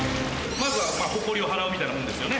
まずはほこりを払うみたいなもんですよね